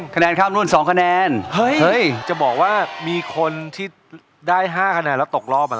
เก็บกรดเก็บกรดอยากเล่นมานานแล้วครับ